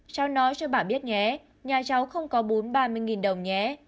trao nói cho bà biết nhé nhà cháu không có bún ba mươi đồng nhé